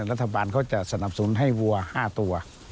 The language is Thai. รัฐบาลเขาจะสนับสนุนให้วัว๕ตัว